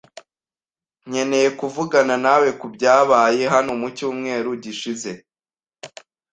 Nkeneye kuvugana nawe kubyabaye hano mucyumweru gishize.